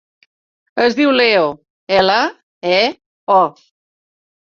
Es diu Leo: ela, e, o.